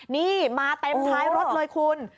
นี่มาเต็มท้ายรถเลยคุณ